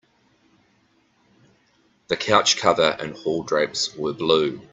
The couch cover and hall drapes were blue.